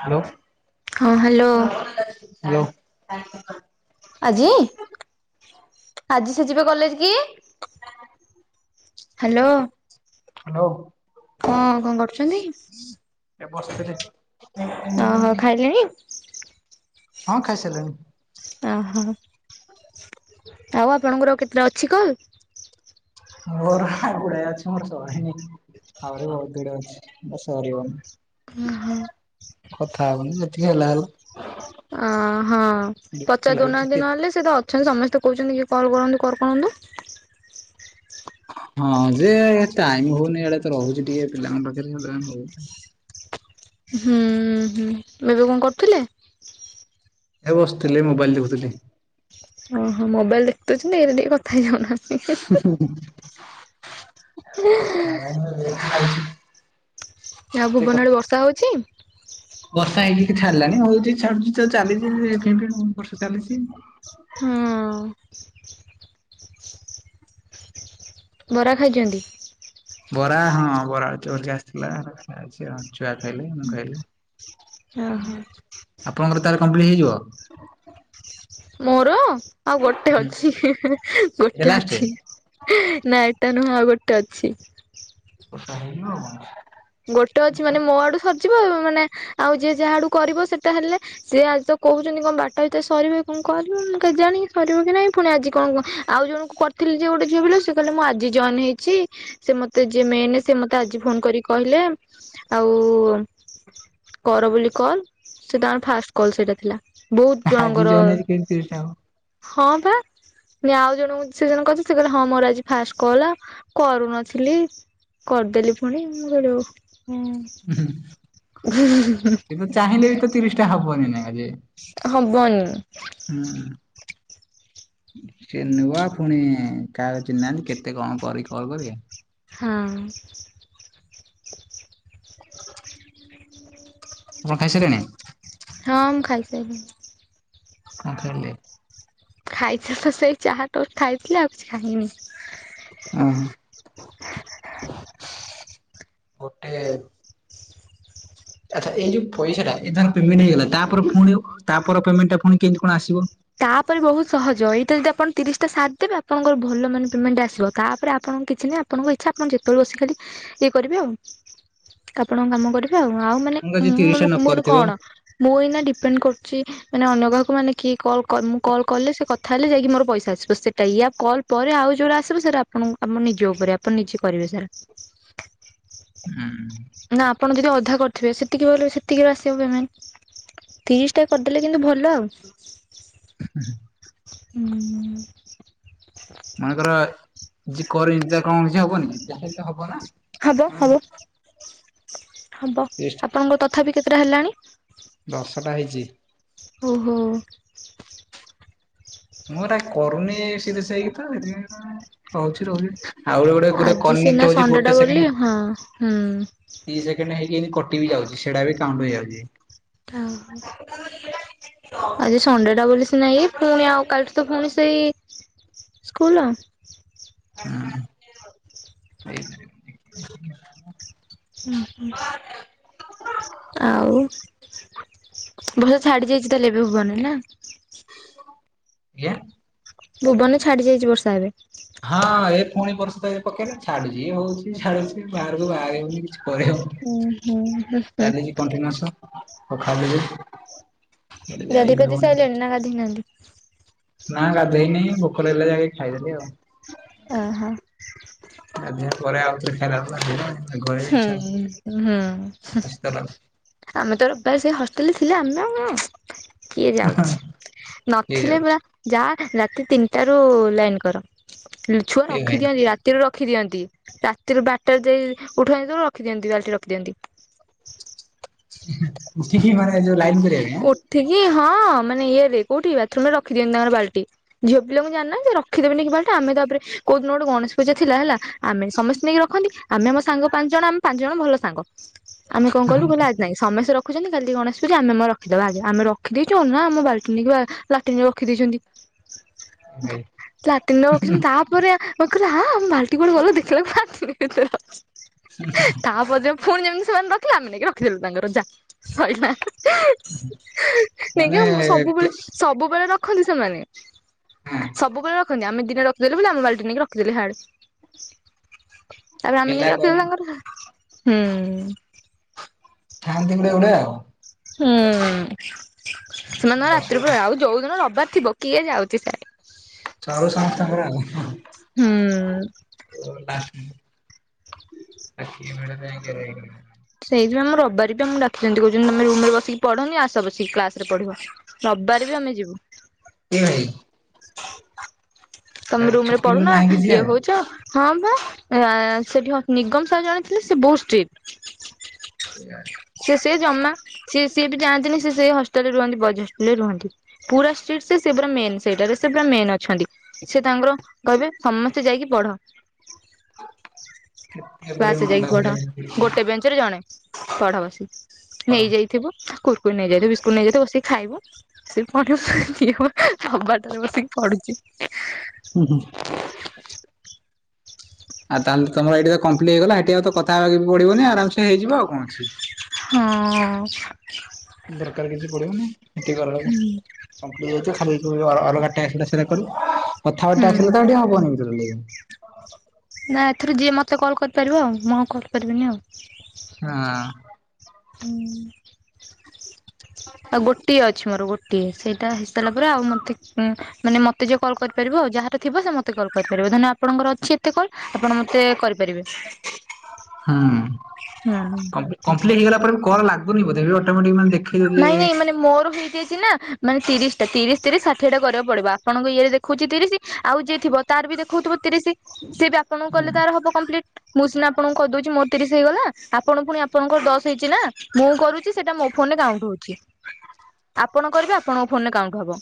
Hello. ହଁ hello. Hello ଆଜି ଆଜି ସେ ଯିବେ କଲେଜ କି? ହ୍ୟାଲୋ। ହଉ। ହଁ କଣ କରୁଛନ୍ତି ଏ ବସିଥିଲି ଓହୋ ଖାଇଲେଣି? ହଁ ଖାଇସାରିଲିଣି। ଓହୋ ଆଉ ଆପଣଙ୍କର କେତେଟା ଅଛି କଲ୍? ମୋର ଗୁଡ଼ାଏ ଅଛି ମୋର ସରିନି ଆହୁରି ବହୁତ ଗୁଡ଼େ ଅଛି। ମୋର ଓହୋ ସରିବନି କଥା ହବନି ଯେତିକି ହେଲା ହେଲା। ଅ ହଁ ବିରକ୍ତି ପଚାରି ଦଉ ନାହାନ୍ତି ଲାଗୁଛି ନହେଲେ ସେତ ଅ ଅଛନ୍ତି ସମସ୍ତେ କହୁଛନ୍ତି କି କଲ୍ କରନ୍ତୁ କର କରନ୍ତୁ। ହଁ ଯେ ଟାଇମ ହଉନି ଇଆଡ଼େ ତ ରହୁଛି ଟିକେ ପିଲାଙ୍କ ପାଖରେ ସେଥିପାଇଁ ହଉନି। ହୁଁ ହୁଁ ଏବେ କଣ କରୁଥିଲେ? ଏ ବସିଥିଲେ ମୋବାଇଲ ଦେଖୁଥିଲି। ଓହୋ ମୋବାଇଲ ଦେଖଦଉଛନ୍ତି ଏରେ ଟିକେ କଥା ଯାଉନା। [unintelligible] ଆଉ ଏତେ ଭୁବନରେ କଥା ବର୍ଷା ହଉଛି? ବର୍ଷା ହେଇକି ଛାଡ଼ି ଲାଣି ହଉଛି ଛାଡ଼ୁଛି ତ ଚାଲିଛି [unintelligible] ବର୍ଷା ଚାଲିଛି ଆଉ। ହୁଁ। ବରା ଖାଇଛନ୍ତି। ବରା ହଁ ବରା ଆଳୁଚପ୍ ଆଜି ଆସିଥିଲା ଖାଇଛି ଆଉ ଛୁଆ ଖାଇଲେ ମୁଁ ଖାଇଲି। ଓ ହୋ। ଆପଣଙ୍କର ତାହେଲେ କମ୍ପଲିଟ ହେଇଯିବ। ମୋର ଆଉ ଗୋଟେ ଅଛି ଏଇଟା ଗୋଟେ ଲାଷ୍ଟ? ଅଛି। ନା ଏଟା ନୁହେଁ ଆଉ ଗୋଟେ ଅଛି। [unintelligible] ଗୋଟେ ଅଛି ମାନେ ମୋ ଆଡ଼ୁ ସରିଜିବ ମାନେ ଆଉ ଯିଏ ଯାହାଆଡ଼ୁ କରିବ ସେଟା ହେଲେ। ସିଏ ଆଜି ତ କହୁଛନ୍ତି କଣ ବାରଟା ଭିତରେ ସରିବ କଣ କରିବ କେ ଜାଣିକି ସରିବ କି ନାଇଁ ପୁଣି ଆଜି କଣ ଆଉ ଜଣକୁ କରିଥିଲି ଯେ ଗୋଟେ ଝିଅ ପିଲାକୁ ସେ କହିଲେ ମୁଁ ଆଜି ଜଏନ ହେଇଛି ସେ ମତେ ଜିଏ ମେନେ ସେ ମତେ ଆଜି ଫୋନ କରିକି କହିଲା ଆଉ କର ବୋଲି କଲ ସେଇଟା ମୋର ଫାଷ୍ଟ କଲ ସେଇଟା ଥିଲା। ବହୁତ ଆଜି ଜଣଙ୍କର ଯୋଉନ କେମିତି ତିରିଶ ଟା ହବ ହଁ ପା। ଯେ ଆଉ ଜଣଙ୍କୁ ସେ ଜଣକ ଅଛି ସେ କହିଲା ହଁ ମୋର ଆଜି ଫାଷ୍ଟ କଲା କରୁନଥିଲି। କରିଦେଲି ପୁଣି ମୁଁ କହିଲି ଓ ହୋ। [unintelligible] ତିରିସ୍ ଟା ହବନି ନାଇ ଆଜି। ହବନି। ହୁଁ। ସେ ନୂଆ ପୁଣି କାହାକୁ ଚିହ୍ନି ନାହାନ୍ତି କେତେ କଣ କରିକି କଲ କରିବେ। ହଁ। [unintelligible] ହଁ ମୁଁ ଖାଇସାରିଲିଣି। କଣ ଖାଇଲେ? ଖାଇଥିଲି ତ ସେଇ ଚାହା ଟ ଖାଇଥିଲି ଆଉ କିଛି ଖାଇନି। ଓ ହୋ। [inaudible] ଗୋଟେ। ଆଚ୍ଛା ଏ ଯୋଉ ପଇସା ଏ ତାର ପେମେଣ୍ଟ ହେଇଗଲା ତାପରେ ପୁଣି ତାପରେ ପେମେଣ୍ଟ ଟାୁଣି କେମି କଣ ଆସିବ? ତାପରେ ବହୁତ ସହଜ ଏଇଟା ଯଦି ଆପଣ ତିରିଶଟା ସାଥ ଦେବେ ଆପଣଙ୍କର ଭଲ ମାନେ ପେମେଣ୍ଟ ଆସିବ ତାପରେ ଆପଣଙ୍କ କିଛି ନାହିଁ ଆପଣଙ୍କ ଇଚ୍ଛା ଆପଣ ଯେତେବେଳେ ବସି ଖାଲି ଇଏ କରିବେ ଆଉ ଆପଣଙ୍କ କାମ କରିବେ ଆଉ ମାନେ ମନେକର ଉଁ ଯିଏ ତିରିଶ ଟା ମାନେ ନ ମାନେ କରିଥିବ କଣ? ଉଁ ମୁଁ ଏଇନା ଡିପେଣ୍ଡ କରୁଚି ମାନେ ଅନ୍ୟ କାହାକୁ ମାନେ କିଏ କଲ ମୁଁ କଲ୍ କଲେ ସେ କଥା ହେଲେ ଯାଇକି ମୋର ପଇସା ଆସିବ, ସେଇଟା ଇଆ କଲ ପରେ ଆଉ ଜଉଟା ଆସିବ ସେଇଟା ଆପଣ ଆମ ନିଜ ଉପରେ ଆପଣ ନିଜେ କରିବେ ସେରା। ହୁଁ। ନା, ଆପଣ ଯଦି ଅଧା କରିଥିବେ ସେତିକି ବୋଲେ ସେତିକିର ଆସିବ ପେମେଣ୍ଟ। ତିରିଶଟା କରିଦେଲେ କିନ୍ତୁ ଭଲ ଆଉ। [unintelligible] ହୁଁ। ହୁଁ। ହୁଁ। ମନେକର ଯିଏ କରନ ତା କଣ କିଛି ହବନି ଯାହାତ ହବ ନା? ହବ ହବ ହବ ତିରିଶ ଆପଣଙ୍କ ତଥାପି କେତେଟା ହେଲାଣି। ଦଶଟା ହେଇଛି। ଓହୋ। ମୁଁ ଏରା କରୁନି ସିଧା ସେଇକି ତ ରହୁଛି ରହୁଛି। ଆହୁରି ଗୋଟେ ଗୋଟେ ଆଜି ସିନା କନେକ୍ଟ ହଉଛି ସଣ୍ଡେ ଟା ଗୋଟେ ବୋଲି ସେକେଣ୍ଡ। ହଁ ହୁଁ। ଦି ସେକଣ୍ଡ ହେଇକିି କଟି ବି ଯାଉଛି ସେଇଟା ବି କାଉଣ୍ଟ ହେଇଯାଉଛି। ଥାଉ, ମ। ଆଜି ସନଡେ ଟା ବୋଲି ସିନା ଇଏ ପୁଣି ଆଉ କାଲିଠୁ ତ ପୁଣି ସେଇ ସ୍କୁଲ, ଆଉ ହଁ ଦେଇପାରିବିନି। [inaudible] ହୁଁ, ହୁଁ, ଆଉ? ଭଲ, ଛାଡି ଯାଇଛି ତାହେଲେ ଏବେ ହବନି ନା? ଆଜ୍ଞା? ଭୁବନ, ଛାଡି ଯାଇଛି ବର୍ଷା ଏବେ। ହଁ ଏ ପୁଣି ବର୍ଷେ ପକେଇଲବେ ଛାଡୁଛି ହଉଛି ଛାଡୁଛି ବାହାରକୁ ବାହାରି ହଉନି। ଉଁ ହୁଁ। ହୁଁ ପରୀକ୍ଷା ହୁଁ ଚାଲିଛି କଣ୍ଟିନେଓଶ, ମୁଁ ଖାଲି ରେ। ଗାଧେଇ ପାଧେଇ ସାଇିଲାଣି ନା ଗାଧୋଇନାହାନ୍ତି? ନା, ଗାଧୋଇ ନେଇ ଭୋକ ଲାଗିଲା ଯାଇକି ଖାଇଦେଲି ଆଉ। ଓ ହୋ। ଗାଧେଇବା ପରେ ଆଉଥରେ ଖାଇଲାବେଳକୁ ଗାଧେଇବା। ଘରେ ବି ହୁଁ ଇଚ୍ଛା ଉ, ହଉନି ହୁଁଉ, ହୁଁ। ଶୀତ ଲାଗୁଛି ଆମେ ତ ରବିବାର ସେ ହଷ୍ଟେଲରେ ଥିଲେ ଆମେ ଆଉ କଣ? କିଏ ଯାଉଛି ନଥିଲେ ପୁରା ହେଇଯାଉଛି ଯା ରାତି ତିନିଟାରୁ ଲାଇନ କର। ଛୁଆ, ଏଇ ଭାଇ ରଖିଦିଅନ୍ତି ରାତିରୁ ରଖିଦିଅନ୍ତି ରାତିରୁ ବାରଟା ରେ ଯାଇ ଉଠାନ୍ତିନି ତ ରଖିଦିଅନ୍ତି ବାଲଲିଟି ରଖିଦିଅନ୍ତି। ହୁଁ, ହୁଁ, ଉଠିକି ମାନେ ଯୋଉ ଲାଇନ୍ କରିବା ପାଇଁ। ଉଠିକି ହଁ, ମାନେ ଇଏ ରେ କୋଉଠି ବାଥରୁମ ରେ ରଖିଦିଅନ୍ତି ତାଙ୍କର ବାଲ୍ଟି ଝିଅ ପିଲାଙ୍କୁ ଜାଣିନା ଯେ ରଖିଦେବେ ନେଇକି ବାଲ୍ଟି ଆମେ ତାପରେ କୋଉ ଦିନ ଗୋଟେ ଗଣେଶ ପୂଜା ଥିଲା ହେଲା ଆମେ ସମସ୍ତେ ନେଇକି ରଖନ୍ତି଼ ଆମେ ଆମସାଙ୍ଗ ପାଞ୍ଚଜଣ ଆମେ ପାଞ୍ଚଜଣ ଭଲ ସାଙ୍ଗ। ଆମେ କଣ କହିଲୁ କହିଲେ ଆଜି ନାଇଁ ସମସ୍ତେ ରଖୁଛନ୍ତି କାଲି ଗଣେଷ ପୂଜା ଆମେ ଆମର ଦବଆଜି ଆମେ ରଖିଦେଇଛୁ କଣ ନା ଆମ ବାଲ୍ଟି ଆଜି ଲାଟିନରେ ରଖିଦେଇଛନ୍ତି। ପାଇଁ ଭାଇ ଲାଟିନରେ ରଖିଛନ୍ତି ତା ତାପରେ ଆମେ କହିଲୁ ଆ, ଆମ ବାଲ୍ଟି କୁଆଡେଗଲା ଦେଖିଲା ବେଳକୁ ଲାଟିନ ଭିତରେ ଅଛି। ତାପରଦିନ ପୁଣି ଯେମିତି ସେମାନେ ରଖିଲେ ଆମେ ନେଇକି ରଖିଦେଲୁ ତାଙ୍କର ଯା ସଇଲା। ନାଇ, ମାନେ ଆଜ୍ଞା ସବୁବେଳେ ହଁ ସବୁବେଳେ ରଖନ୍ତି ସେମାନେ ସବୁବେଳେ ରଖନ୍ତି ଆମେ ଦିନେରଖିଦେଲୁ ବୋଲି ଆମ ବାଲଟି ନେଇକ ରଖିଦେଲେ ହାଡେ ତାପରେ ଆମେ ପିଲା ନେଇକି କମ ରଖିଦେଲୁ ତାଙ୍କର, ହୁଁ। ଥାନ୍ତି ଗୋଟେ ଗୋଟେ ଆଉ। ହୁଁ, ସେମାନେ ସମସ୍ତଙ୍କର ରାତିରୁ ଅସୁବିଧା ପୂରା ଆଉ ଯୋଉଦିନ ରବିବାର ଥିବ କିଏ ଯାଉଛି ସାଆଡେ଼। ସରୁ ସମସ୍ତଙ୍କର ହୁଁ। ଟାସ୍କ। ସିଏ ମାଡଖଇକି ରହିଗଲେ,। ସେଇଥିପାଇଁ ଆମର ରବିବାର ଟା ଆମକୁ ଡାିକିଛନ୍ତି କହୁଛନ୍ତି ତମେ ରୁମ ରେ ବସିକି ପଢନି ଆସ ବସିକି କ୍ଲାସରେ ପଢିବ। ରବିବାର ବି ଆମେ ଯିବୁ। ଏ, ଭାଇ। ତା ତମେ ରୁମରେ ଛୁଟି ବେଳେ ପଢୁନ ନାହିଁ କିଛି ଇଏ ଆଉ। ହଉଛ ହଁ ବା ସେଠି ନିଗମ ସାର ଜଣେ ଥିଲେ ସେ ବହୁତ ଷ୍ଟ୍ରିଟ। [unintelligible] ସେ ସେଏ ଜମା ସି ସିଏ ବି ଯାନ୍ତିି ସେଇ ହଷ୍ଟେଲ ରେ ରୁହନ୍ତି ବଜ ହଷ୍ଟେଲ ରେ ରୁହନ୍ତି। ପୁରା ଷ୍ଟ୍ରିଟ୍ ସେ ସେ ପୁରା ମେନ୍ ସେଇଟାରେ ସେ ପୁରା ମେନ୍ ଅଛନ୍ତି। ସେ ତାଙ୍କର କହିବେ ସମସ୍ତେ ଯାଇକି ପଢ। କେତେ ଗୁଡେ ବାସ ମୁଣ୍ଡ ଯାଇକି ପଢ ଗୋଟେ ଖରାପ ବେଞ୍ଚ ରେ ଜଣେ ପଢ ବସି ପଢ। ନେଇଯାଇ ଥିବ କୁର୍କୁୁର ନେଇଯାଇଥ ବିସ୍କୁଟ ନେଇଯାଇଥ ବସିକି ଖାଇବ ସେ। ଏ ହବାଟରେ ବସିକି ପଡୁଛି। ହୁଁ ହୁଁ। [inaudible] ଆଉ ତାହେଲେ ତମର ଏଇିା କମ୍ପ୍ଲିଟ ହେଇଗଲା ସେଇଠ ଆଉ କଥା ହେବାକ ବି ପଡିବନି ଆରାମ ସେ ହେଇଯିବ ଆଉ କଣଛି। ହଁ। ଦରକାର କିଛି ପଡିବନି ସେତି କରକୁ [unintelligible] କଥା ହବା ହୁଁ ଟାସ୍କ ତ ହବନି ଟୋଟାଲି। ନା ଏଥିର ଯିଏ ମତେ କଲ୍ କରିପାରିବ ଆଉ ମୁଁ ଆଉ କରିପାରିବିନି ଆଉ। ଆଁ। ହୁଁ। ଆଉ ଗୋଟିଏ ଅଛି ମୋର ଗୋଟିଏ ସେଇଟା ହେଇାରା ପରେ ଆଉ ମତେ ମାନେ ମତେ ଯ କଲ୍ କରି ଆ ଯାହାର ଥିବ ସେ ମତେ କଲ୍ କରିପାରିବ ଧ ଆପଣଙ୍କର ଅଛି ଏତେ କଲ୍ ଆପଣ ମତେ କରିପାରିବେ। ହୁଁ କମ୍ପ୍ଲିଟ ହେଇଗଲା ପରେ ବି କର ଲାଗୁନି ବୋଧେ ଅଟୋମେଟିକ ମାନେ ଦେଖେଇ ଦଉଛି ଯେ ନାଇଁ ନାଇଁ ମାନେ ମୋର ହେଇଯାଇଛି ନା ମାନେ ତିରିଶ ଟା ତିରିଶ ରିଶ ଷାଠିଏ ଟାକୁ ପଡିବ ଆପଣଙ୍କ ଇଏରେ ଦେଖୁଛି ତିରିଶ ଆଉ ଯିଏ ଥିବ ତାର ବି ଦେଖଉଥିବ ତିରିଶ ସିଏ ବି ଆପଣଙ୍କୁ କହିଲେ ତାର ହବ କମ୍ପ୍ଲିଟ୍। ମୁଁ ସିନା ଆପଣଙ୍କୁ କହିଦଉଛି ମୋର ତିରିଶ ହେଇଗଲା ଆପଣ ପୁଣି ଆପଣଙ୍କର ଦଶ ହେଇଛି ନା ମୁଁ କରୁଛି ସେଇଟା ମୋ ଫୋନ ରେ କାଉଣ୍ଟ ହଛି ଆପଣ କରିବେ ଆପଣଙ୍କ ଫୋନରେ କାଉଣ୍ଟ ହବ।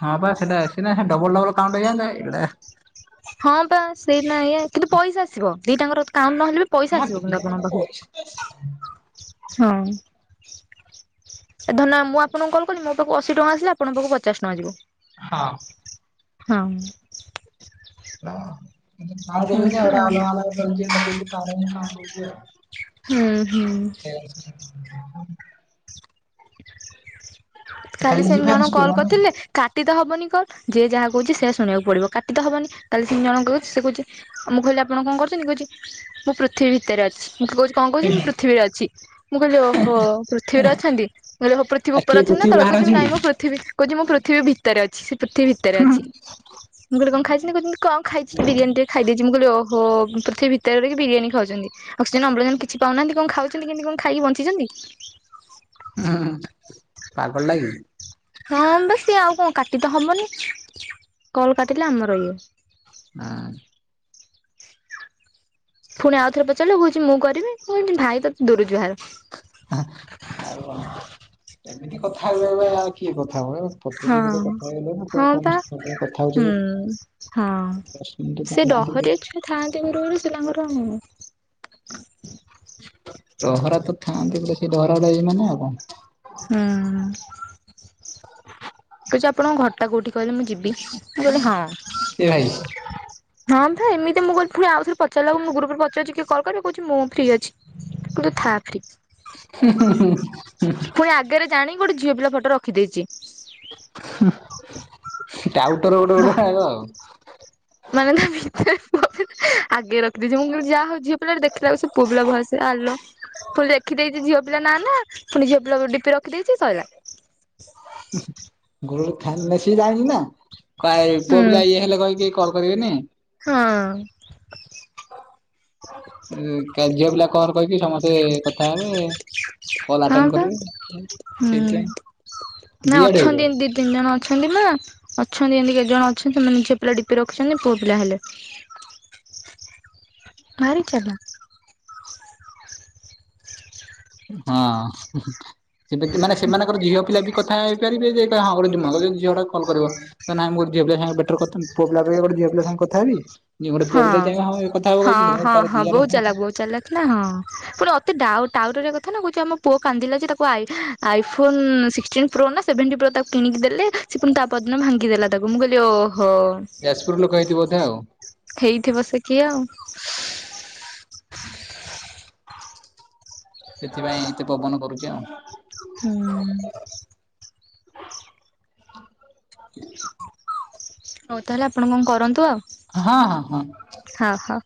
ହଁ ବା ସେଟା ସେ ଡବଲ ଡବଲ କାଉଣ୍ଟଇଆନ୍ତା ଏଇଟା ହଁ ବା ସେଇଟ ଆା କିନ୍ତୁ ପଇସା ଆସିବ ଦିଟାଙ୍କର କାମ ନହଲେ ବି ପଇସା ହଁ ଆସିବ କିନ୍ତୁ ଦିଟା ଯାକ ଆପଣଙ୍କ ପଇସା ତ ଆସିବ। ପାଖକୁ ହଁ। ଏ ଧନ ମୁଁ ଆପଣଙ୍କୁ କଲ କଲି ମୋ ପାଖକୁ ଅଶୀ ଟଙ୍କା ଆସିଲା ଆପଣଙ୍କ ପାକୁ ପଚାଶ ଟଙ୍କା ଯିବ। ହଁ। ହଁ। [inaudible] ଏମିତି ଆଉ। [unintelligible] ହୁଁ ହୁଁ ଚେଞ୍ଜ। କାଲି ସେମି ଯିବା ଜଣ ସ୍କୁଲ କଲ୍ ଆମେ କରିଥିଲେ କାଟି ତ ହବନି କଣ ଯିଏ ଯାହା କହୁଛି ସେ ଶୁଣିବାକୁ ପଡିବ କାଟି ତ ହବନି ତାହେଲେ ତିନି ଜଣ କ ସେ କହୁ ଆଉ ମୁଁ କହିଲି ଆପଣ କଣ କରୁଛନ୍ତି କହୁଛି ମୁଁ ପୃଥିବୀ ଭିତରେ ଅଛି ମୁଁ କହୁଛି କଣ କହୁଛି ମୁଁ ପୃଥିବୀରେ ଅଛି। ମୁଁ କହିଲି ଓ ହୋ ପୃଥିବୀ ଅଛନ୍ତି ମୁଁ କହିଲି ହ ପୃଥିବୀ ଆଉ କିଏ ଉପରେ ଅଛନ୍ତି ନା ପୃଥିବୀ ତଳେ ବାହାରେ କହୁଚି ଅଛି କି? ନାଇ ମୁଁ ପୃଥିବୀ ପୃଥିବୀ କହୁଛି ମୁଁ ପୃଥିବୀ ଭିତରେ ଅଛି ସେ ପୃଥିବୀ ଭିତରେ ଅଛି। ମୁଁ ଗୋଟେ କଣ ଖାଇଛନ୍ତି କହୁଛନ୍ତି କଁ ଖାଇଛି କି ବିରିୟାନି ଟିକେ ଖାଇ ଦେଇଛି ମୁଁ କହିଲି ଓହୋ ପୃଥିବୀ ଭିତରେ ରହିକି ବିରିୟାନୀ ଖାଉଛନ୍ତି‌। ଅକ୍ସିଜେନ ଅମ୍ଳଜନ କିଛି ପାଉନାହାନ୍ତି କଣ ଖାଉଛନ୍ତି କିମତି କଣ ଖାଇକି ବଞ୍ଚିଛନ୍ତି। ଉଁ ହୁଁ ହୁଁ ପାଗଳ ଟା କିି। ହଁ ବା ସିଏ ଆଉ କଣ କାଟି ତ ହବନି କଲ୍ କାଟିଲେ ଆମର ଇଏ। ନାଇଁ ନା। ପୁଣି ଆଉଥରେ ପଚାରିଲେ କହୁଛି ମୁଁ କରିବି ମୁଁ କହିଲି ଭାଇ ତତେ ଦୁରୁ ଜୁହାର। ଆଉ କଣ ଏମିତି କଥା ହବେ ଆଉ କିଏ କଥା ହବ। ପଦେ ଦି ପଦ ହଁ କଥା ହେଇଗଲ ହଁ ବୋଲି ପା କଣ ତମେ କଣ କଥା ହୁଁ ହଁ ସେ ହଉଛଯେ। [unintelligible] ଡହରିଆ ଛୁଆ ଥାଆନ୍ତି ଗୋଟେ ଗୋଟେ ସେ ତାଙ୍କର। ଡହରା ତ ଥାଆନ୍ତି ବୋଲେ ସେଇ ଡହରାଡା ଟା ଏଇ ମାନେ ଆଉ କଣ। ହଁ। କହୁଛି ଆପଣଙ୍କ ଘରଟା କୋଉଠି କହିଲେ ମୁଁ ଯିବି ମୁଁ କହିଲି ହଁ। ଏ ଭାଇସ। ହଁ ବା ଏମିତି ମୁଁ କଇଲି ପୁଣି ଆଉଥରେ ପଚାରିଲାକୁ ମୁଁ ଗ୍ରୁପରେ ପଚାରାରୁଛି କିଏ କଲ କରିବେ କହୁଛି ମୁଁ ଫ୍ରି ଅଛି। ଗୋଟେ ଥା ତି। ହୁଁ ହୁଁ ହୁଁ ହୁଁ ହୁଁ। ପୁଣି ଆଗରେ ଜାଣିକି ଗୋଟେ ଝିଅ ପିଲା ଫଟ ରଖିଦେଇଛି। ହୁଁ ଟାଉଟର ଗୋଟେ ବା ଗୋଟେ ଆଗ ଆଉ। ମାନେ ନା ତା ଭିତରେ ପୁଅ ପି ଆଗେ ରଖିଦେଇଛି ମୁଁ କଇଲି ଯା ହଉ। ଝିଅ ପିଲାଟେ ଦେଖିଲାକୁ ସେ ପୁଅ ପିଲା ଭଏସେ ଆଲୋ। ପୁଣି ଲେଖି ଦେଇଛି ଝିଅ ପିଲା ନା ନା ପୁଣି ଝିଅ ପିଲା ଡିପି ରଖିଦେଇଛି ସଇଲା। ହୁଁ ହୁଁ [unintelligible] ସିଏ ଜାଣିଛି ନା କାଏ ହୁଁ। ପୁଅ ପିଲା ଇଏ ହେଲେ କହି କଲ୍ କରିବେନି। ହଁ। ଉଁ‌ କା ଝିଅ ପିଲା କଲ କହିକି ସମସ୍ତେ କଥା ହେବେ। କଲ ହଁ ଆଟେନ ବା କରିବେ ହୁଁ ସେଇଥି ପାଇଁ ନା ଦି ଆଡୁ ହେଇ ଅଛନ୍ତି ଜିବ। ଏମିତି ଦି ତିନି ଜଣ ଅଛନ୍ତି ନା ଅଛନ୍ତି ଏମିତି କେତେ ଜଣ ଅଛନ୍ତି ମାନେ ଝିଅ ପିଲା ଡିପି ରଖିଛନ୍ତି ପୁଅ ପିଲା ହେଲେ। ଭାରି ଚାଲକ। ହଁ ସେମତି ମାନେ ସେମାନଙ୍କର ଝିଅ ପିଲା ବି କଥା ହେଇ ପାରିବେ ଯେ। ହଁ ଗୋଟେ ଯୁମ ଜଦି ଝିଅ ଟାକୁ କଲ କରିବା। ତ ନାଇଁ ମୁଁ ଗୋଟେ ଝିଅ ପିଲା ସାଂଗେ ବେଟର କଥା ପୁଅ ପିଲା ଅପେକ୍ଷା ଗୋଟେ ଝିଅ ପିଲା ସାଙ୍ଗେ କଥା ହେବି ‌। ନାଇଁ ଗୋଟେ ପୁଅ ପିଲା ଚାହିଁବ ହଁ ଏ କଥା ହବ ହଁ କହିକି ହେଲେ ହଁ ତାର ହଁ ଦି ଆଡେ ବହୁତ ଚାଲାକ ଫୋନ। ବହୁତ ଚାଲାକ ନା ହଁ ପୁଣି ଅତି ଡାଉ ଟାଉଟରିଆ କଥା କହୁଛି ଆମ ପୁଅ କାନ୍ଦିଲା ଯେ ତାକୁ ଆଇ। ଆଇଫୋନ ସିକ୍ସ ଟିନ୍ ପ୍ରୋ ନା ସେଭେଣ୍ଟି ପ୍ରୋ ତାକୁ କିଣିକି ଦେଲେ ସେ ପୁଣି ତା ପର ଦିନ ଭାଙ୍ଗି ଦେଲା। ତାକୁ ମୁଁ କହିଲି ଓହୋ। ଯାଜପୁର ଲୋକ ହେଇଥିବ ବୋଧେ ଆଉ। ହେଇଥିବ ସେ କିଏ ଆଉ। ସେଥିପାଇଁ ଏତେ ପବନ କରୁଛି ଆଉ। ହୁଁ। ହଉ ତାହେଲେ ଆପଣ କଣ କରନ୍ତୁ ଆଉ। ହଁ ହଁ ହଁ। ହଉ ହଉ।